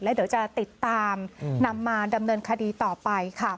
เดี๋ยวจะติดตามนำมาดำเนินคดีต่อไปค่ะ